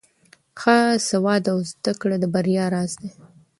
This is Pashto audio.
ښه سواد او زده کړه د بریا راز دی.